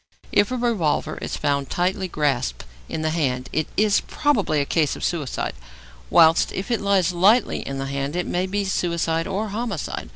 If a revolver is found tightly grasped in the hand it is probably a case of suicide, whilst if it lies lightly in the hand it may be suicide or homicide.